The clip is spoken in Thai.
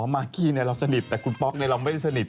อ๋อมากกี้ในเราสนิทแต่คุณป๊อกในเราไม่สนิท